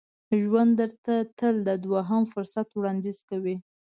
ژوند درته تل د دوهم فرصت وړاندیز کوي.